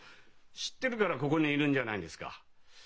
知ってるからここにいるんじゃないですか。